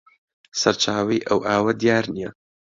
سەرچاوەی ئەو ئاوە دیار نییە